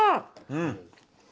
うん！